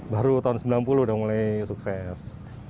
baru tahun seribu sembilan ratus sembilan puluh udah mulai sukses